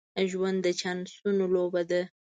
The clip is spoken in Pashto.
ژوند د چانسونو لوبه ده.